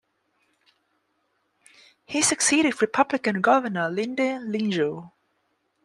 He succeeded Republican Governor Linda Lingle.